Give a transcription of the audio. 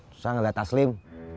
susah ngeliat taslim